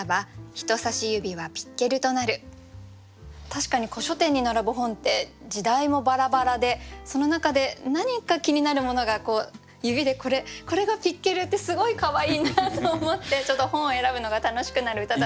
確かに古書店に並ぶ本って時代もバラバラでその中で何か気になるものがこう指でこれこれがピッケルってすごいかわいいなと思ってちょっと本を選ぶのが楽しくなる歌だなと。